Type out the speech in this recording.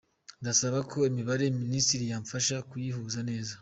Ndasaba ko imibare Minisitiri yamfasha kuyihuza neza.